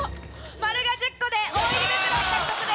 「○」が１０個で。